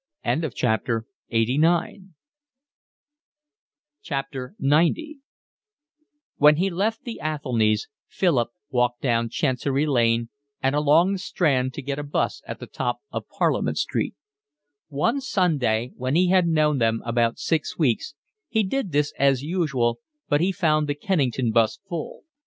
XC When he left the Athelnys' Philip walked down Chancery Lane and along the Strand to get a 'bus at the top of Parliament Street. One Sunday, when he had known them about six weeks, he did this as usual, but he found the Kennington 'bus full.